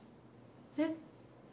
えっ？